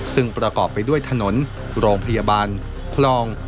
ซึ่งประกอบไปด้วยถนนโรงพยาบาลคลอง